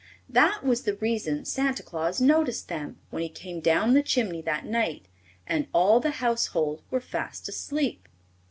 That was the reason Santa Claus noticed them when he came down the chimney that night and all the household were fast asleep.